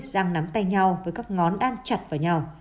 giang nắm tay nhau với các ngón đang chặt vào nhau